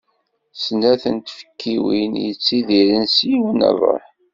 Snat n tfekkiwin yettidiren s yiwen n rruḥ.